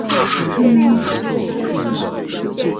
可升级成奔熊。